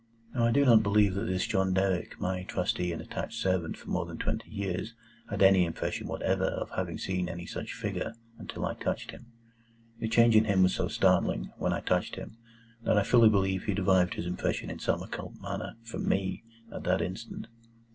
Now I do not believe that this John Derrick, my trusty and attached servant for more than twenty years, had any impression whatever of having seen any such figure, until I touched him. The change in him was so startling, when I touched him, that I fully believe he derived his impression in some occult manner from me at that instant.